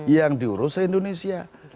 yang diurus indonesia